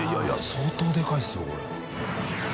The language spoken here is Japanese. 相当でかいですよこれ。